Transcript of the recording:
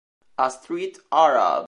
A Street Arab